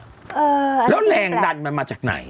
เออแล้วแรงดันมันมาจากไหน